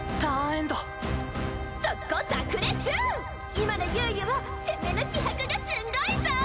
今のユウユは攻めの気迫がすごいぞ！